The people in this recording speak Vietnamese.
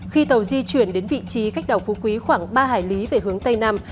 khi tàu di chuyển đến vị trí cách đảo phú quý khoảng ba hải lý về hướng tây nam